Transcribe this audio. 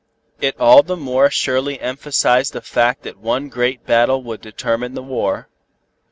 It all the more surely emphasized the fact that one great battle would determine the war.